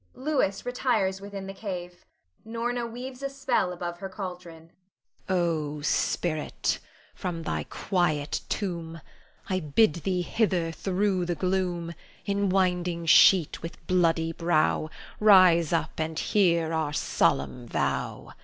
[Louis retires within the cave. Norna weaves a spell above her caldron. Norna. O spirit, from thy quiet tomb, I bid thee hither through the gloom, In winding sheet, with bloody brow, Rise up and hear our solemn vow.